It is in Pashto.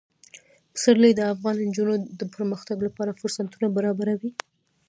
پسرلی د افغان نجونو د پرمختګ لپاره فرصتونه برابروي.